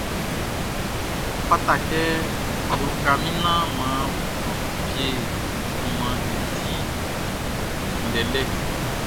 Ɔ fata kɛ be uka min naan mʼan wie junmanʼn i di ndɛndɛ.